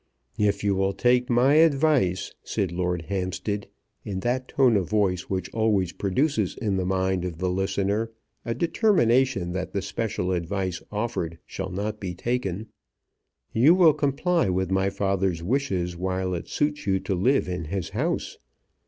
"If you will take my advice," said Lord Hampstead, in that tone of voice which always produces in the mind of the listener a determination that the special advice offered shall not be taken, "you will comply with my father's wishes while it suits you to live in his house.